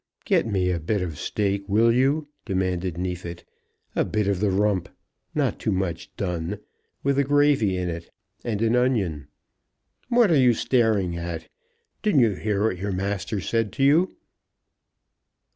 "Get me a bit of steak, will you?" demanded Neefit; "a bit of the rump, not too much done, with the gravy in it, and an onion. What are you staring at? Didn't you hear what your master said to you?"